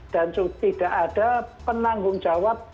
dan tidak ada penanggung jawab